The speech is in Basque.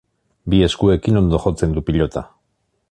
Bi eskuekin ondo jotzen du pilota.